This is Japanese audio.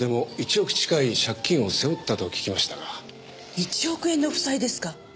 １億円の負債ですか？